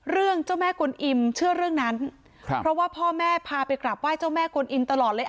เจ้าแม่กวนอิมเชื่อเรื่องนั้นครับเพราะว่าพ่อแม่พาไปกราบไห้เจ้าแม่กวนอิมตลอดเลย